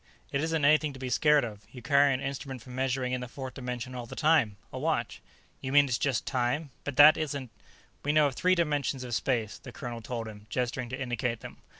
"It isn't anything to be scared of. You carry an instrument for measuring in the fourth dimension all the time. A watch." "You mean it's just time? But that isn't " "We know of three dimensions of space," the colonel told him, gesturing to indicate them.